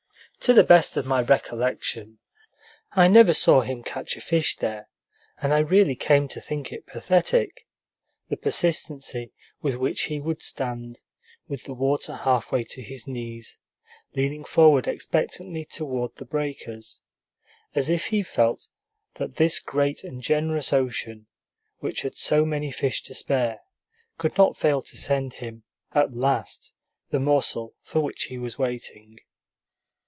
To the best of my recollection, I never saw him catch a fish there; and I really came to think it pathetic, the persistency with which he would stand, with the water half way to his knees, leaning forward expectantly toward the breakers, as if he felt that this great and generous ocean, which had so many fish to spare, could not fail to send him, at last, the morsel for which he was waiting.